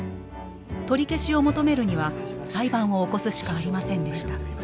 取り消しを求めるには裁判を起こすしかありませんでした。